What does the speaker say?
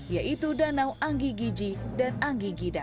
yaitu danau anggi giji dan anggi gida